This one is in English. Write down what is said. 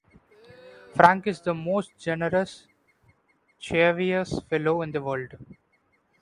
Frank is the most generous, chivalrous fellow in the world.